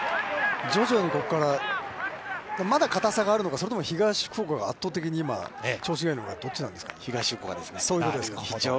徐々にここから、まだ硬さがあるのか、それか東福岡が圧倒的に調子がいいのか、どっちなんですかね。